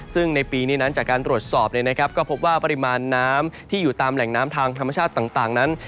ซึ่งในปีนี้นั้นจากการตรวจสอบก็พบว่าปริมาณน้ำที่อยู่ตามแหล่งน้ำทางธรรมชาติต่างนั้น